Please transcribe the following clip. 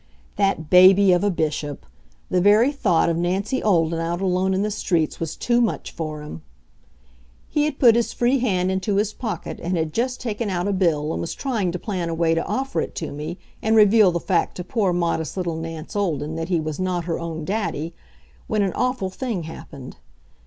That baby of a Bishop! The very thought of Nancy Olden out alone in the streets was too much for him. He had put his free hand into his pocket and had just taken out a bill and was trying to plan a way to offer it to me and reveal the fact to poor, modest little Nance Olden that he was not her own daddy, when an awful thing happened.